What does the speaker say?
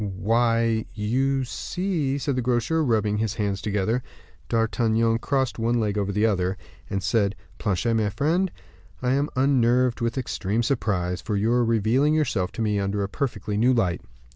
"Why, you see " said the grocer, rubbing his hands together. D'Artagnan crossed one leg over the other, and said, "Planchet, my friend, I am unnerved with extreme surprise; for you are revealing yourself to me under a perfectly new light."